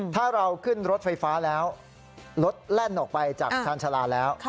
ถ้าเราขึ้นรถไฟฟ้าแล้วรถแล่นออกไปจากชาญชาลาแล้ว